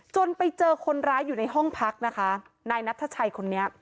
ไปเจอคนร้ายอยู่ในห้องพักนะคะนายนัทชัยคนนี้